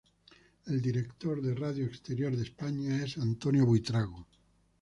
El director de Radio Exterior de España es Antonio Buitrago.